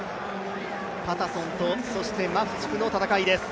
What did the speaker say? パタソンと、そしてマフチクの戦いです。